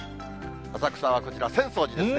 浅草はこちら浅草寺ですね。